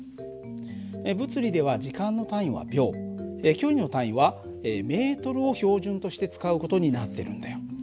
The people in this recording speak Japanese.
物理では時間の単位は秒距離の単位はｍを標準として使う事になってるんだよ。